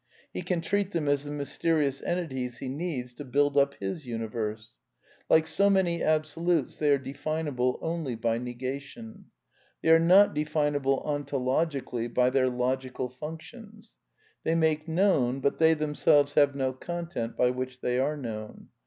He can treat them as the mysteri ous entities he needs to build up his universe. Like so Vmany absolutes they are definable only by negation. They are not definable ontologically by their logical functions. They make known, but they themselves have no content by which they are known.